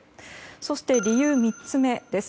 そして、理由３つ目です。